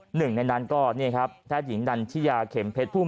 หนึ่งในนั้นก็แพทย์หญิงดันที่ยาเข็มเพชรพุ่ม